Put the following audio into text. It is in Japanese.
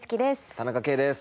田中圭です。